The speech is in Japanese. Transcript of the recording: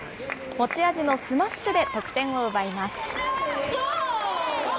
持ち味のスマッシュで、得点を奪います。